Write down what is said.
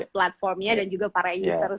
platformnya dan juga para user